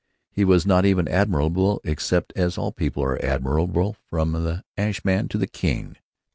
He was not even admirable, except as all people are admirable, from the ash man to the king.